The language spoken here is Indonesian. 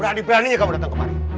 udah diberaninya kamu datang kemari